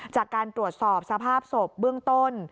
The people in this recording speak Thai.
จากการตรวจสอบสภาพศพเบื้องต้น